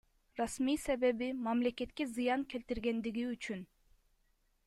Расмий себеби — мамлекетке зыян келтиргендиги үчүн.